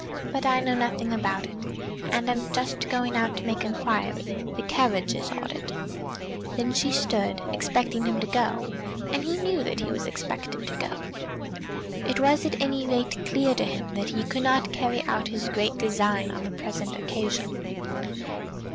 "But I know nothing about it, and am just going out to make inquiry. The carriage is ordered." Then she stood, expecting him to go; and he knew that he was expected to go. It was at any rate clear to him that he could not carry out his great design on the present occasion.